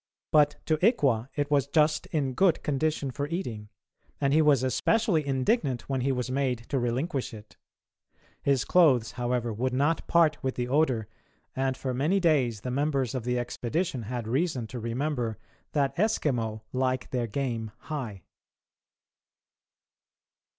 But to Ikwa it was just in good condition for eating, and he was especially indignant when he was made to relinquish it. His clothes, however, would not part with the odour, and for many days the members of the expedition had reason to remember that Eskimo like their game high.